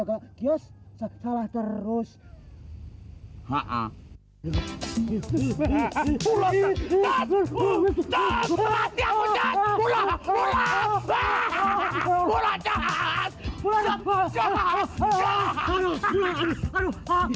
kios salah terus hai hai hai hai hai hai hai